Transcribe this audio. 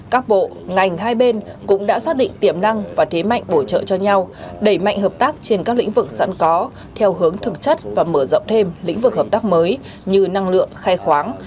các bộ ngành hai bên cũng đã xác định tiềm năng và thế mạnh bổ trợ cho nhau đẩy mạnh hợp tác trên các lĩnh vực sẵn có theo hướng thực chất và mở rộng thêm lĩnh vực hợp tác mới như năng lượng khai khoáng